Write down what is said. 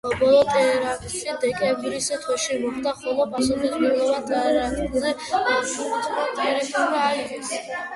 ბოლო ტერაქტი დეკემბრის თვეში მოხდა, ხოლო პასუხისმგებლობა ტერაქტზე ქურთმა ტერორისტებმა აიღეს.